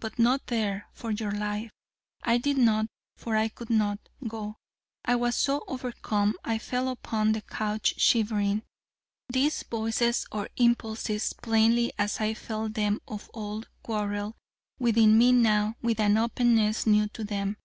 but not there...! for your life!' I did not for I could not go: I was so overcome. I fell upon the couch shivering. These Voices, or impulses, plainly as I felt them of old, quarrel within me now with an openness new to them.